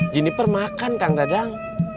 jennifer makan kang dadang